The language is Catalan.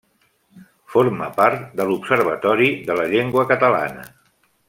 Forma part de l'Observatori de la Llengua Catalana.